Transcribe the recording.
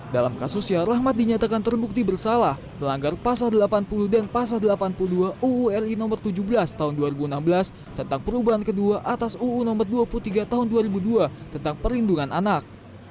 dalam kasusnya rahmat dinyatakan terbukti bersalah melanggar pasal delapan puluh dan pasal delapan puluh dua uu ri no tujuh belas tahun dua ribu enam belas tentang perubahan kedua atas uu nomor dua puluh tiga tahun dua ribu dua tentang perlindungan anak